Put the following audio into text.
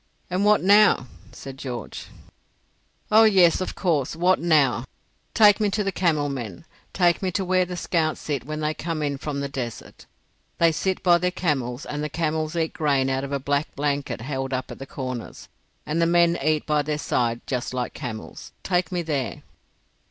"And what now?" said George. "Oh yes of course. What now? Take me to the camel men. Take me to where the scouts sit when they come in from the desert. They sit by their camels, and the camels eat grain out of a black blanket held up at the corners, and the men eat by their side just like camels. Take me there!"